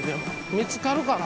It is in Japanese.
見つかるかな。